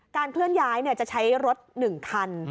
เคลื่อนย้ายจะใช้รถ๑คัน